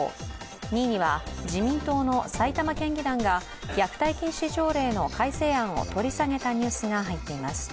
２位には自民党の埼玉県議団が虐待禁止条例の改正案を取り下げたニュースが入っています。